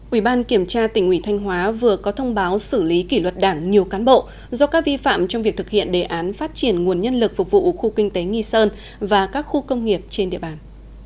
ủy ban kiểm tra tỉnh ủy thanh hóa vừa có thông báo xử lý kỷ luật đảng nhiều cán bộ do các vi phạm trong việc thực hiện đề án phát triển nguồn nhân lực phục vụ khu kinh tế nghi sơn và các khu công nghiệp trên địa bàn